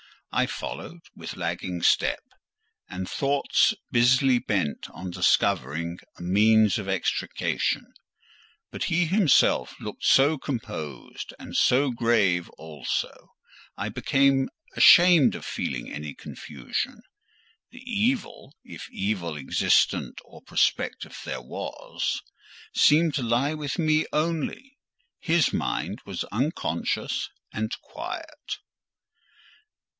I followed with lagging step, and thoughts busily bent on discovering a means of extrication; but he himself looked so composed and so grave also, I became ashamed of feeling any confusion: the evil—if evil existent or prospective there was—seemed to lie with me only; his mind was unconscious and quiet.